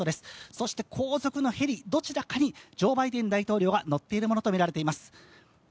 そして後続のヘリ、どちらかにジョー・バイデン大統領が乗っているとみられます。